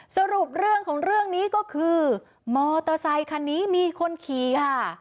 สรุปเรื่องของเรื่องนี้ก็คือมอเตอร์ไซคันนี้มีคนขี่ค่ะ